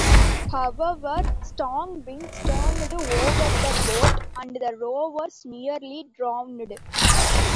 However, strong winds turned over the boat and the rowers nearly drowned.